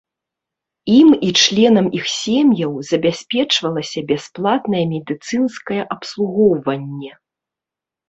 Ім і членам іх сем'яў забяспечвалася бясплатнае медыцынскае абслугоўванне.